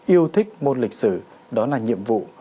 yêu thích môn lịch sử đó là nhiệm vụ